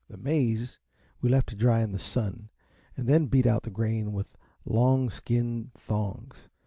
The maize we left to dry in the sun, and then beat out the grain with long skin thongs.